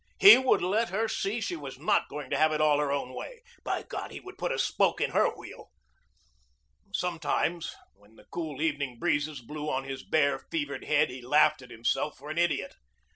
He would let her see she was not going to have it all her own way. By God, he would put a spoke in her wheel. Sometimes, when the cool, evening breezes blew on his bare, fevered head, he laughed at himself for an idiot.